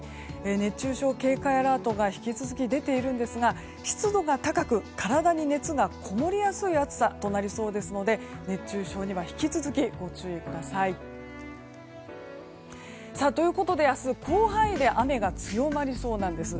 熱中症警戒アラートが引き続き出ているんですが湿度が高く体に熱がこもりやすい暑さとなりそうなので熱中症には引き続きご注意ください。ということで明日、広範囲で雨が強まりそうなんです。